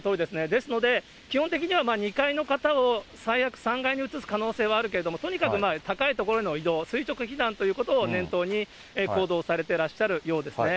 ですので、基本的には２階の方を最悪、３階に移す可能性はあるけれども、とにかく高い所に移動、垂直避難ということを念頭に行動をされてらっしゃるようですね。